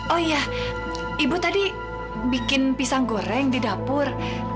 oh iya ibu tadi bikin pisang goreng di dapur